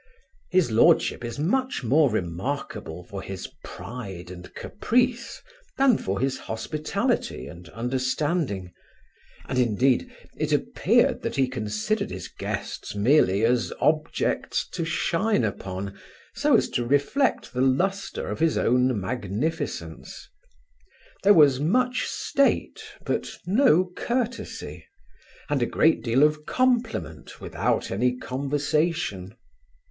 His lordship is much more remarkable for his pride and caprice, than for his hospitality and understanding; and, indeed, it appeared, that he considered his guests merely as objects to shine upon, so as to reflect the lustre of his own magnificence There was much state, but no courtesy; and a great deal of compliment without any conversation.